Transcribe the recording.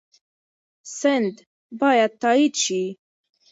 سند باید تایید شي.